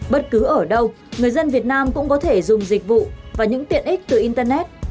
bất cứ ở đâu người dân việt nam cũng có thể dùng dịch vụ và những tiện ích từ internet